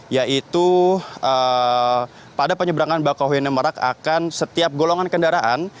yaitu pada penyeberangan bakauheni merak akan setiap golongan kendaraan